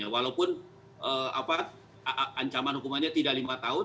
walaupun ancaman hukumannya tidak lima tahun